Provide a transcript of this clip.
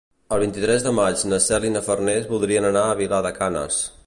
El vint-i-tres de maig na Cel i na Farners voldrien anar a Vilar de Canes.